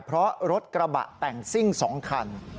เพราะรถกระบะแต่งซิ่ง๒คัน